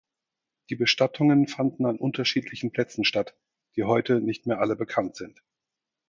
Die Bestattungen fanden an unterschiedlichen Plätzen statt, die heute nicht mehr alle bekannt sind.